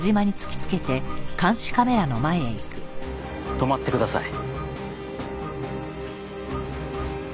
止まってください。